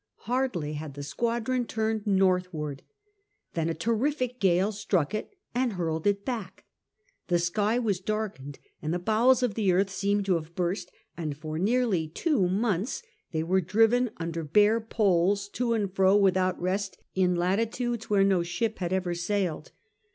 Hardly had the squadron turned northward than a terrific gale struck it and hurled it back. The sky was darkened, and the bowels of the earth seemed to have burst, and for nearly two months they were driven under bare poles to and fro without rest in latitudes where no ship had' ever sailed.